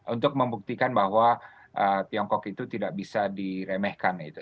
untuk membuktikan bahwa tiongkok itu tidak bisa direkrut